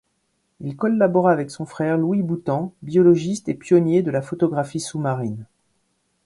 Il collabora avec son frère Louis Boutan, biologiste et pionnier de la photographie sous-marine.